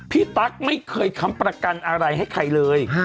ตั๊กไม่เคยค้ำประกันอะไรให้ใครเลย